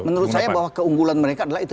menurut saya bahwa keunggulan mereka adalah itu